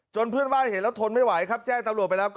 เพื่อนบ้านเห็นแล้วทนไม่ไหวครับแจ้งตำรวจไปแล้ว